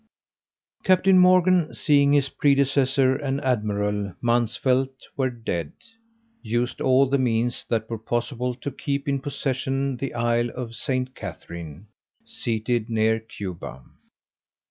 _ CAPTAIN MORGAN seeing his predecessor and admiral Mansvelt were dead, used all the means that were possible, to keep in possession the isle of St. Catherine, seated near Cuba.